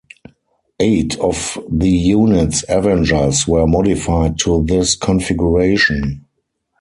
Eight of the unit's Avengers were modified to this configuration.